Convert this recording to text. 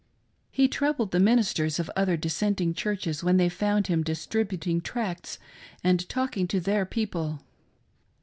He troubled the ministers of other dissenting chtirches when they found him distributing tracts and talking to their people.